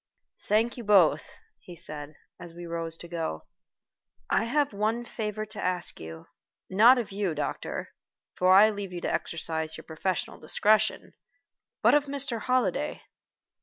"Thank you both," he said, as we rose to go. "I have one last favor to ask not of you, doctor, for I leave you to exercise your professional discretion, but of Mr. Holliday."